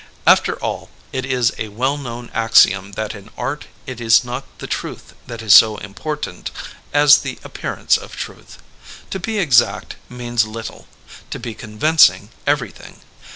After all, it is a well known axiom that in art it is not the truth that is so important as the appear ance of truth. To be exact means little; to be con vincing, everything.